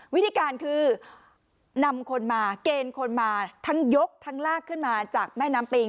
วิธีการคือนำคนมาเกณฑ์คนมาทั้งยกทั้งลากขึ้นมาจากแม่น้ำปิง